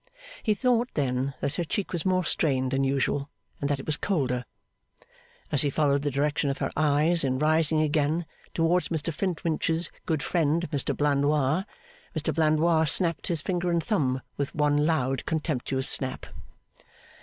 He thought, then, that her cheek was more strained than usual, and that it was colder. As he followed the direction of her eyes, in rising again, towards Mr Flintwinch's good friend, Mr Blandois, Mr Blandois snapped his finger and thumb with one loud contemptuous snap.